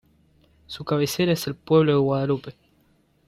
Su cabecera es el pueblo de Guadalupe.